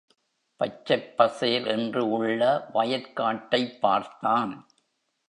பச்சைப் பசேல் என்று உள்ள வயற்காட்டைப் பார்த்தான்.